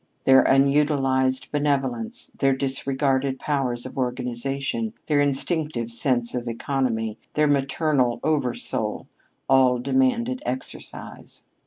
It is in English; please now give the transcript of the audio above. Their unutilized benevolence, their disregarded powers of organization, their instinctive sense of economy, their maternal oversoul, all demanded exercise.